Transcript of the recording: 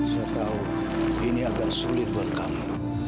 saya tahu ini agak sulit buat kami